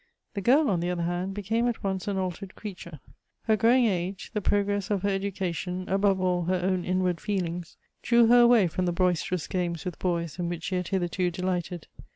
" The girl, on the other hand, became at once an altered creature. Her growing age, the progress of her educa tion, above all, her own inward feelings, drew her away from the boisterous games with boys in which she had hitherto delighted.